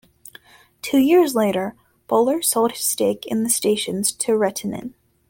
Two years later, Boler sold his stake in the stations to Reiten.